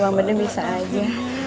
bang bedu bisa aja